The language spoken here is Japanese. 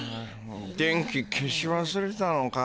電気消しわすれたのか？